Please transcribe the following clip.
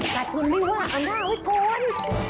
กะทุนไม่ว่าเอาหน้าไว้โกน